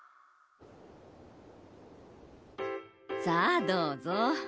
さあどうぞ。